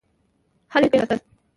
حل یې کړه.